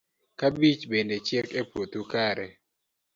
kabich bende chiek e puothu kare